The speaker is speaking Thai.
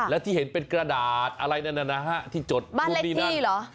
แล้วที่เห็นเป็นกระดาษอะไรนะที่จดบ้านเล็กที่เหรอ